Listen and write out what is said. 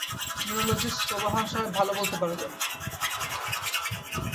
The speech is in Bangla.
নিউরোলজিস্ট সোবাহান সাহেব ভালো বলতে পারবেন।